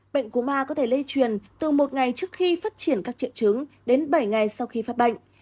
bệnh cú ma có thể lây truyền từ một ngày trước khi phát triển các triệu chứng đến bảy ngày sau khi phát bệnh